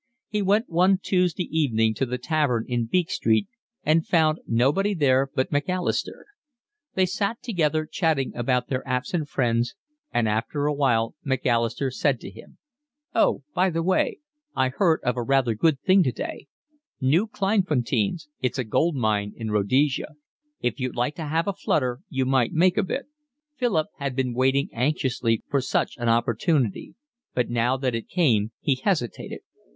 He went one Tuesday evening to the tavern in Beak Street and found nobody there but Macalister. They sat together, chatting about their absent friends, and after a while Macalister said to him: "Oh, by the way, I heard of a rather good thing today, New Kleinfonteins; it's a gold mine in Rhodesia. If you'd like to have a flutter you might make a bit." Philip had been waiting anxiously for such an opportunity, but now that it came he hesitated.